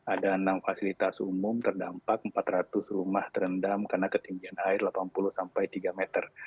ada enam fasilitas umum terdampak empat ratus rumah terendam karena ketinggian air delapan puluh sampai tiga meter